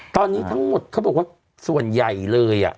ตอนนี้ทั้งหมดเขาบอกว่าส่วนใหญ่เลย